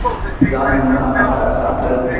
ځان ناخبره ساتل